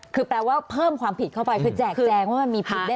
คือแปลว่าเพิ่มความผิดเข้าไป